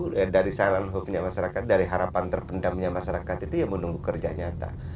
menunggu dari harapan terpendamnya masyarakat itu menunggu kerja nyata